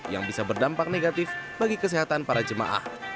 yang bisa berdampak negatif bagi kesehatan para jemaah